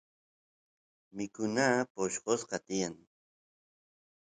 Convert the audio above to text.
mikuna poshqoshqa tiyan